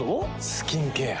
スキンケア。